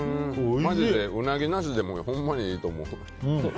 マジでウナギなしでもほんまにいいと思う。